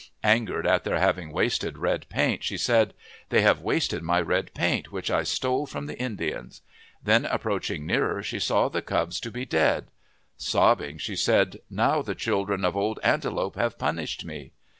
Angered at their having wasted red paint, 136 OF THE PACIFIC NORTHWEST she said, " They have wasted my red paint which I stole from the Indians. Then approaching nearer she saw the cubs to be dead. Sobbing, she said, " Now the children of Old Antelope have punished me."